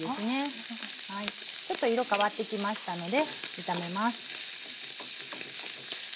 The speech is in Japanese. ちょっと色変わってきましたので炒めます。